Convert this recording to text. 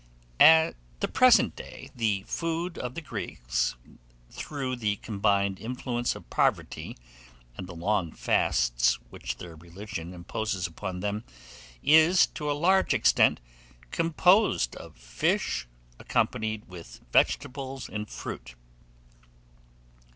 At the present day the food of the Greeks, through the combined influence of poverty and the long fasts which their religion imposes upon them, is, to a large extent, composed of fish, accompanied with vegetables and fruit.